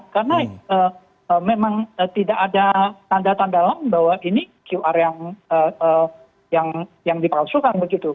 karena memang tidak ada tanda tanda dalam bahwa ini qr yang dipalsukan